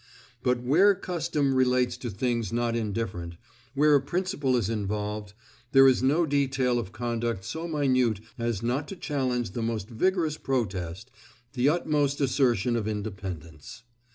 But where custom relates to things not indifferent, where a principle is involved, there is no detail of conduct so minute as not to challenge the most vigorous protest, the utmost assertion of independence.